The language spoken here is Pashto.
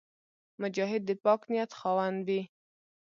مجاهد د پاک نیت خاوند وي.